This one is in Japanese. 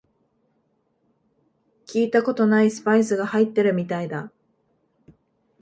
聞いたことないスパイスが入ってるみたいだ